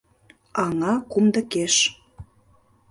Аҥа кумдыкеш